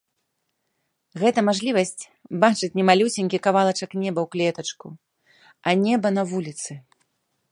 Гэта мажлівасць бачыць не малюсенькі кавалачак неба ў клетачку, а неба на вуліцы.